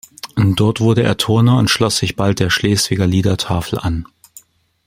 Dort wurde er Turner und schloss sich bald der Schleswiger Liedertafel an.